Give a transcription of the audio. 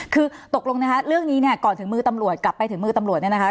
คือตกลงนะคะเรื่องนี้เนี่ยก่อนถึงมือตำรวจกลับไปถึงมือตำรวจเนี่ยนะคะ